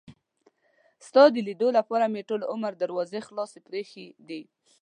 ستا د لیدلو لپاره مې ټول عمر دروازې خلاصې پرې ایښي دي.